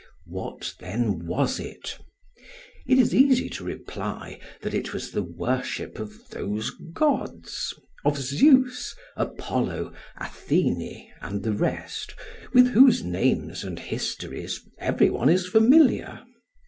What then was it? It is easy to reply that it was the worship of those gods of Zeus, Apollo, Athene, and the rest with whose names and histories every one is familiar.